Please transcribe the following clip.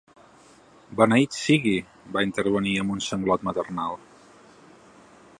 "Beneït sigui!" va intervenir amb un sanglot maternal.